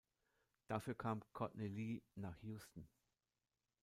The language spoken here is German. Dafür kam Courtney Lee nach Houston.